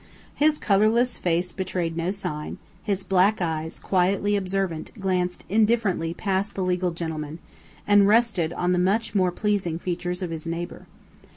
His colorless face betrayed no sign; his black eyes, quietly observant, glanced indifferently past the legal gentleman, and rested on the much more pleasing features of his neighbor.